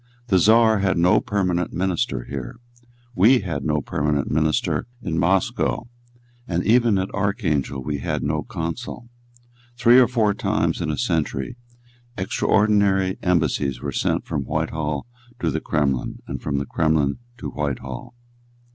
The Czar had no permanent minister here. We had no permanent minister at Moscow; and even at Archangel we had no consul. Three or four times in a century extraordinary embassies were sent from Whitehall to the Kremlin and from the Kremlin to Whitehall.